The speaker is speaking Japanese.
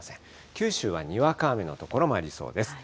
九州はにわか雨の所もありそうです。